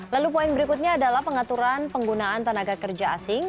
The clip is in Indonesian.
lalu poin berikutnya adalah pengaturan penggunaan tenaga kerja asing